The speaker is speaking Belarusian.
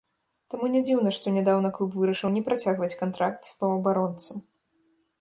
Таму не дзіўна, што нядаўна клуб вырашыў не працягваць кантракт з паўабаронцам.